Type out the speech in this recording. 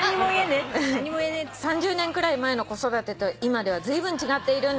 「３０年くらい前の子育てと今ではずいぶん違っているんですね。